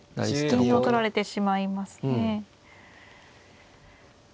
銀を取られてしまいますね。